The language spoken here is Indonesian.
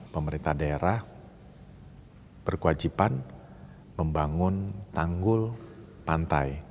pemerintah daerah berkewajiban membangun tanggul pantai